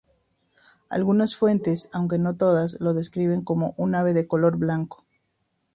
Algunas fuentes, aunque no todas, lo describen como un ave de color blanco.